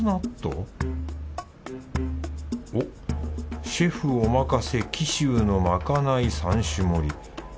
おっシェフお任せ貴州のまかない三種盛り。